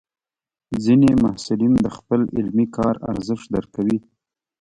ځینې محصلین د خپل علمي کار ارزښت درکوي.